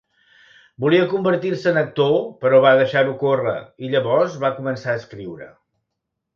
Volia convertir-se en actor, però va deixar-ho córrer i llavors va començar a escriure.